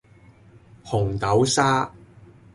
紅豆沙